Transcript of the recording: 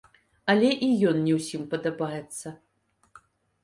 Але і ён не ўсім падабаецца.